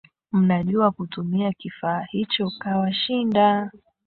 Mnajua kutumia kifaa hicho kawashinda